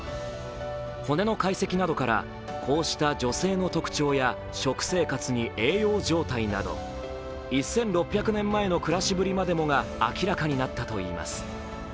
骨の解析などから、こうしたニョ性の特徴や食生活に栄養状態など１６００万年前の暮らしぶりまでもが明らかになったといいます。